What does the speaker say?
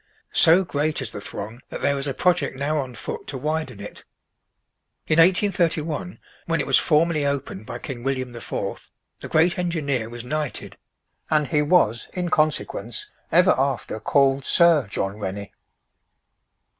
So great is the throng, that there is a project now on foot to widen it. In 1831, when it was formally opened by King William IV., the great engineer was knighted, and he was in consequence ever after called Sir John Rennie.